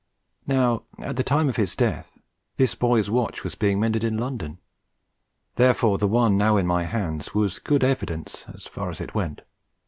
Now, at the time of his death, this boy's watch was being mended in London; therefore, the one now in my hands was good evidence as far as it went.